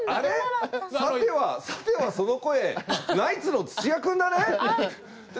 さてはさてはその声ナイツの土屋君だね。